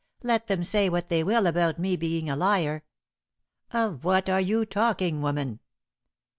Let them say what they will about me being a liar." "Of what are you talking, woman?"